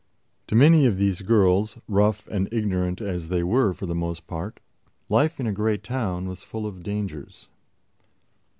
To many of these girls, rough and ignorant as they were for the most part, life in a great town was full of dangers.